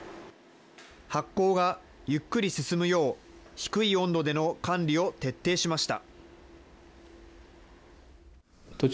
発酵がゆっくり進むよう、低い温度での管理を徹底しました。